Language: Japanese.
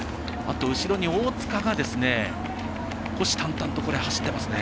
後ろに大塚が虎視眈々と走ってますね。